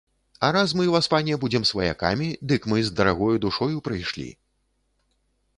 А раз мы, васпане, будзем сваякамі, дык мы з дарагою душою прыйшлі.